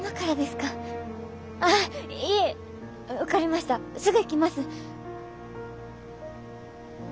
すぐ行きます。